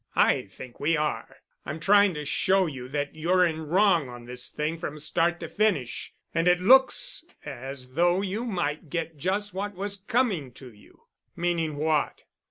"I think we are. I'm trying to show you that you're in wrong on this thing from start to finish. And it looks as though you might get just what was coming to you." "Meaning what?"